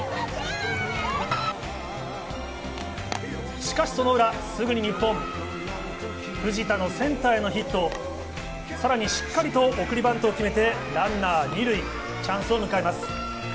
しかし、その裏、すぐに日本、藤田のセンターへのヒット、さらにしっかりと送りバントを決めてランナー２塁、チャンスを迎えます。